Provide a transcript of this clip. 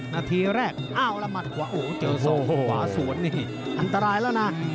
นาทีแรกอ้าวละหมัดขวาโอ้โหเจอศอกขวาสวนนี่อันตรายแล้วนะ